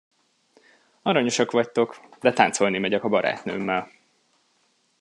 Aranyosak vagytok, de táncolni megyek a barátnőmmel!